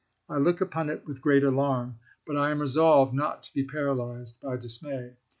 I look upon it with great alarm, but I am resolved not to be paralyzed by dismay.